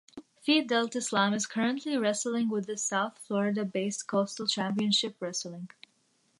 Phi Delta Slam is currently wrestling with the South Florida-based Coastal Championship Wrestling.